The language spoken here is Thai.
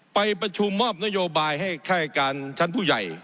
ไปประชุมมอบนโยบายให้ค่ายการชั้นผู้ใหญ่